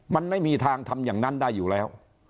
มันไม่มีทางทำอย่างนั้นได้อยู่แล้ว